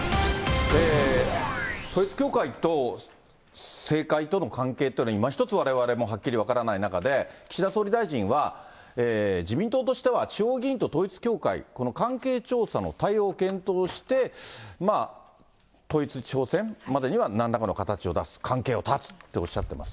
統一教会と政界との関係というのは、いま一つわれわれもはっきり分からない中で、岸田総理大臣は、自民党としては地方議員と統一教会、この関係調査の対応を検討して、統一地方選までにはなんらかの形を出す、関係を断つとおっしゃってます。